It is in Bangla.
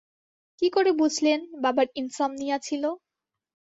কী করে বুঝলেন, বাবার ইনসমনিয়া ছিল?